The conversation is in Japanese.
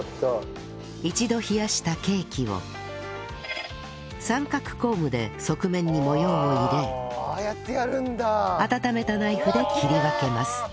一度冷やしたケーキを三角コームで側面に模様を入れ温めたナイフで切り分けます